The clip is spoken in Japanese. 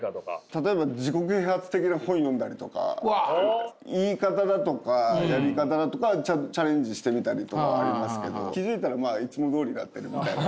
例えば自己啓発的な本読んだりとか言い方だとかやり方だとかチャレンジしてみたりとかはありますけど気付いたらまあいつもどおりだったりみたいな。